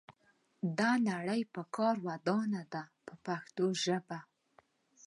دا نړۍ په کار ودانه ده په پښتو ژبه.